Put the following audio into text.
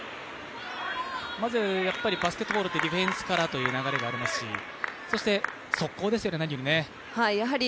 まずバスケットボール、ディフェンスからという流れがありますしそして速攻ですよね、何より。